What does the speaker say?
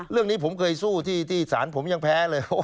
เรื่องนี้ผมเคยสู้ที่ศาลผมยังแพ้เลย